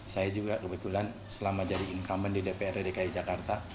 saya juga kebetulan selama jadi incumbent di dprd dki jakarta